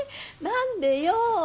何でよ。